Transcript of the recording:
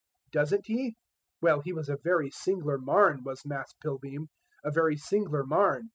doänt ye? Well, he was a very sing'lar marn was Mass Pilbeam, a very sing'lar marn!